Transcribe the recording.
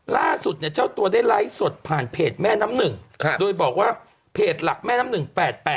ล่าสุดเนี่ยเจ้าตัวได้ไลฟ์สดผ่านเพจแม่น้ำหนึ่งโดยบอกว่าเพจหลักแม่น้ำหนึ่ง๘๘